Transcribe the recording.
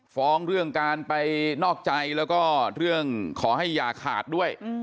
ฟ้องเรื่องการไปนอกใจแล้วก็เรื่องขอให้อย่าขาดด้วย